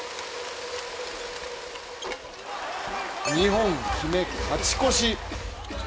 ２本決め勝ち越し。